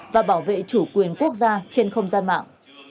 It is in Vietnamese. và bảo vệ chủ quyền quốc gia trên không gian mạng